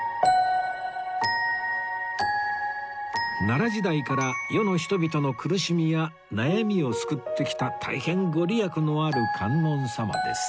奈良時代から世の人々の苦しみや悩みを救ってきた大変ご利益のある観音様です